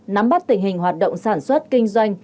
nắm bắt tình hình hoạt động sản xuất kinh doanh